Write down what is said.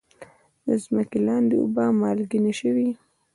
د ځمکې لاندې اوبه مالګینې شوي؟